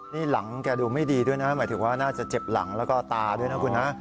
นี่หลังแกดูไม่ดีด้วยนะหมายถึงว่าน่าจะเจ็บหลังแล้วก็ตาด้วยนะคุณนะ